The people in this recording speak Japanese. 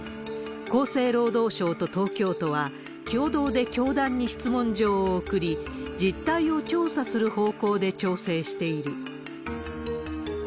厚生労働省と東京都は、共同で教団に質問状を送り、実態を調査する方向で調整している。